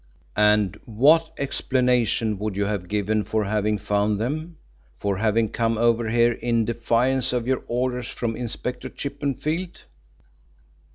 "And what explanation would you have given for having found them for having come over here in defiance of your orders from Inspector Chippenfield?"